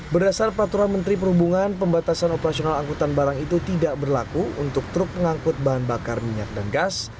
berdasar peraturan menteri perhubungan pembatasan operasional angkutan barang itu tidak berlaku untuk truk pengangkut bahan bakar minyak dan gas